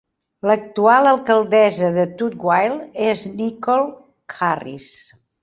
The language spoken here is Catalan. L'actual alcaldessa de Tutwiler és Nichole Harris.